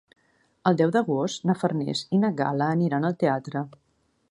El deu d'agost na Farners i na Gal·la aniran al teatre.